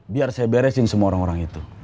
biar saya beresin semua orang orang itu